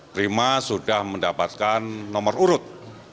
prima sudah mendapatkan nomor urut